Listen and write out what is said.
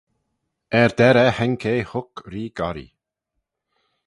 Er-derrey haink eh huc Ree Gorree.